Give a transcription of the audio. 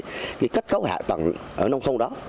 phát triển cái kết cấu hạ tầng ở nông thôn đó